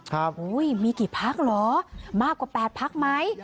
อุ้ยมีกี่พักเหรอมากกว่า๘พักไหม